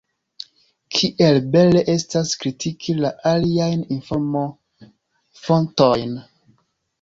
Kiel bele estas kritiki la aliajn informofontojn!